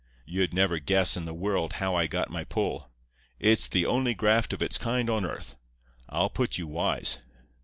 You'd never guess in the world how I got my pull. It's the only graft of its kind on earth. I'll put you wise.